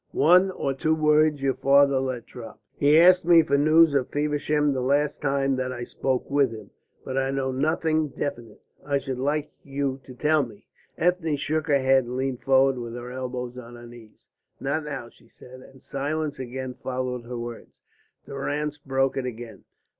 One or two words your father let drop. He asked me for news of Feversham the last time that I spoke with him. But I know nothing definite. I should like you to tell me." Ethne shook her head and leaned forward with her elbows on her knees. "Not now," she said, and silence again followed her words. Durrance broke it again.